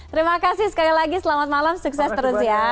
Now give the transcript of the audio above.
terima kasih sekali lagi selamat malam sukses terus ya